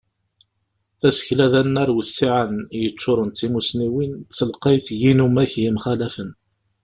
Tasekla d anar wissiɛen, yeččuren d timusniwin d telqayt n yinumak yemxalafen.